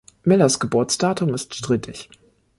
Millers Geburtsdatum ist strittig.